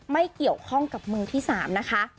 ไม่เกี่ยวข้องกับมือที่๓นะคะ